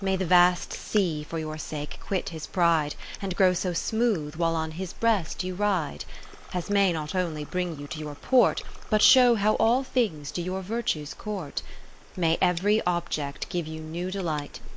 May the vast sea for your sake quit his pride. And grow so smooth, while on his breast you ride. As may not only bring you to your port, But show how all things do your virtues court. May every object give you new delight.